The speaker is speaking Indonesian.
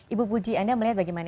ibu puji anda melihat bagaimana